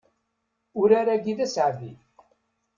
Urar-agi d aseɛdi.